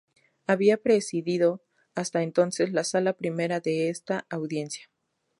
Había presidido hasta entonces la Sala Primera de esta Audiencia.